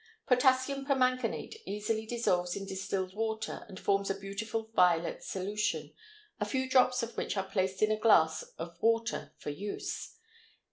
Potassium permanganate easily dissolves in distilled water and forms a beautiful violet solution, a few drops of which are placed in a glass of water for use.